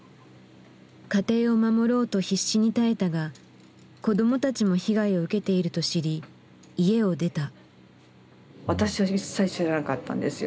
家庭を守ろうと必死に耐えたが子どもたちも被害を受けていると知り家を出た。